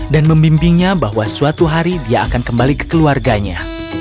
dan membimbingnya bahwa suatu hari dia akan kembali ke keluarganya